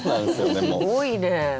すごいね。